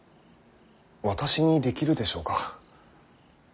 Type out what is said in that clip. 私にできるでしょうか。